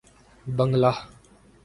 بنگلہ